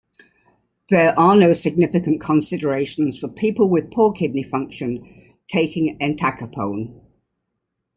There are no significant considerations for people with poor kidney function taking entacapone.